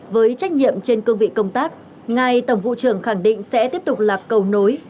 với trách nhiệm trên cương vị công tác ngài tổng vụ trưởng khẳng định sẽ tiếp tục là cầu nối